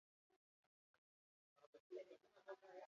Gaur egun ondo finkatutako hainbat hiru egia-balioko logikak daude.